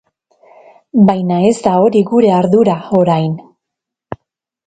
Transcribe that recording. Baina ez da hori gure ardura, orain.